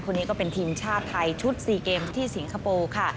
คนนี้ก็เป็นทีมชาติไทยชุด๔เกมที่สิงคโปร์ค่ะ